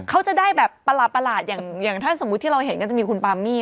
เขาจะได้แบบประหลาดอย่างถ้าสมมุติที่เราเห็นก็จะมีคุณปามี่